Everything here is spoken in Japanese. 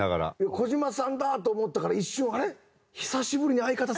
児嶋さんだ！と思ったから一瞬あれ？